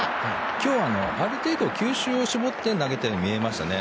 今日はある程度球種を絞って投げたように見えましたね。